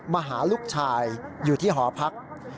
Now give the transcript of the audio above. มาหาลูกชายอยู่ที่หอพัก